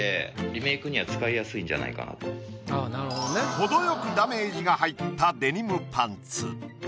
程よくダメージが入ったデニムパンツ。